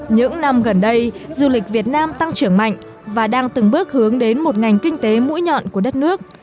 những năm gần đây du lịch việt nam tăng trưởng mạnh và đang từng bước hướng đến một ngành kinh tế mũi nhọn của đất nước